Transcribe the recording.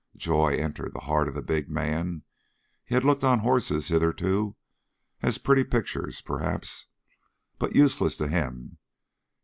Joy entered the heart of the big man. He had looked on horses hitherto as pretty pictures perhaps, but useless to him.